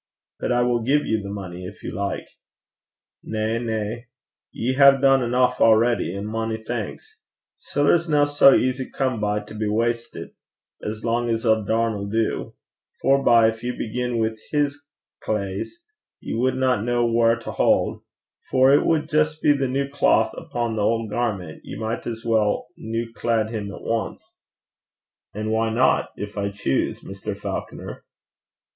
'But I will give you the money if you like.' 'Na, na. You hae dune eneuch already, an' mony thanks. Siller's no sae easy come by to be wastit, as lang's a darn 'll do. Forbye, gin ye began wi' his claes, ye wadna ken whaur to haud; for it wad jist be the new claith upo' the auld garment: ye micht as weel new cleed him at ance.' 'And why not if I choose, Mr. Falconer?'